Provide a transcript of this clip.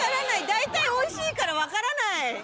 大体おいしいから分からない！